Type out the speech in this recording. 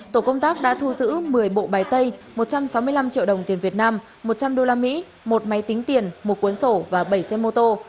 tổ công tác đã thu giữ một mươi bộ bài tay một trăm sáu mươi năm triệu đồng tiền việt nam một trăm linh usd một máy tính tiền một cuốn sổ và bảy xe mô tô